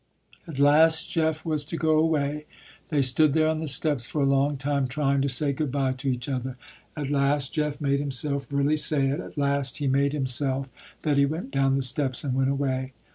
At last Jeff was to go away. They stood there on the steps for a long time trying to say good by to each other. At last Jeff made himself really say it. At last he made himself, that he went down the steps and went away.